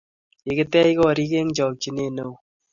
Kikitech koriik eng' chokchinet neoo